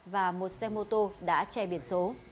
và một xe mô tô đã chè biển số